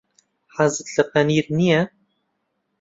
حەزت لە پەنیر نییە.